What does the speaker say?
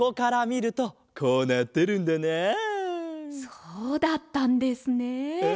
そうだったんですね。